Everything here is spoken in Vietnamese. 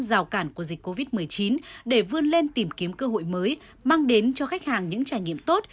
rào cản của dịch covid một mươi chín để vươn lên tìm kiếm cơ hội mới mang đến cho khách hàng những trải nghiệm tốt